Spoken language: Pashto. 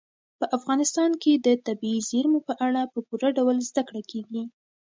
په افغانستان کې د طبیعي زیرمو په اړه په پوره ډول زده کړه کېږي.